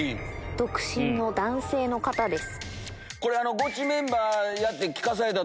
独身の男性の方です。